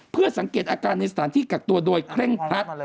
เพื่อสังเกตอาการในสถานที่กักตัวโดยเคร่งครัด